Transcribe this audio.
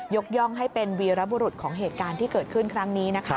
ย่องให้เป็นวีรบุรุษของเหตุการณ์ที่เกิดขึ้นครั้งนี้นะคะ